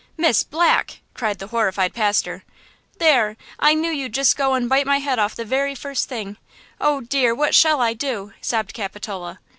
"Miss Black!" cried the horrified pastor. "There! I knew you'd just go and bit my head off the very first thing! Oh, dear, what shall I do?" sobbed Capitola.